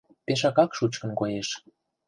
— Пешакак шучкын коеш.